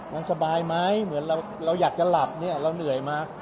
มันสบายไหมเหมือนเราอยากจะหลับเนี่ยเราเหนื่อยมา